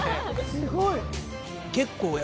すごい。